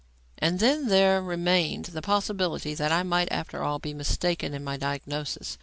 And then there remained the possibility that I might, after all, be mistaken in my diagnosis.